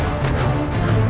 ingat itu adikku